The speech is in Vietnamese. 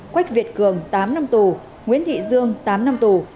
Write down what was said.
quách việt cường tám năm tù nguyễn thị dương tám năm tù